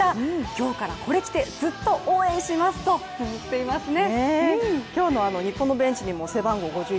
今日からこれ着てずっと応援しますとつづっていますね。